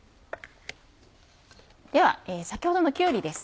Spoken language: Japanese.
では先ほどのきゅうりです。